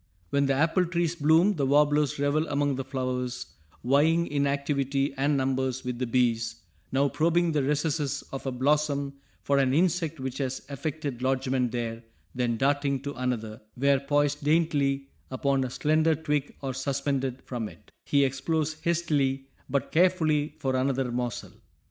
When the apple trees bloom the warblers revel among the flowers, vying in activity and numbers with the bees; now probing the recesses of a blossom for an insect which has effected lodgment there, then darting to another, where, poised daintily upon a slender twig, or suspended from it, he explores, hastily, but carefully for another morsel.